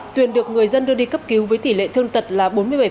tuyền được người dân đưa đi cấp cứu với tỷ lệ thương tật là bốn mươi bảy